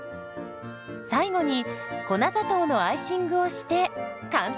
最後に粉砂糖のアイシングをして完成。